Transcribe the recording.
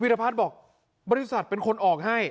พัฒน์บอกบริษัทเป็นคนออกให้